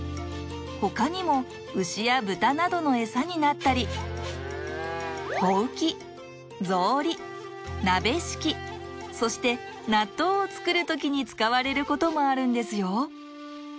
他にも牛や豚などのエサになったりほうきぞうりなべしきそしてなっとうを作るときに使われることもあるんですよ。